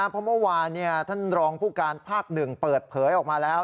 เพราะเมื่อวานท่านรองผู้การภาค๑เปิดเผยออกมาแล้ว